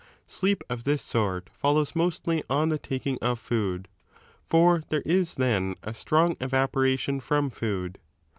Sleep of this sort follows mostly on the taking of food. For there is then a strong evaporation from food.